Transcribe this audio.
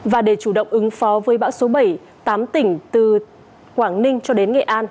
và để chủ động ứng phó với bão số bảy tám tỉnh từ quảng ninh cho đến nghệ an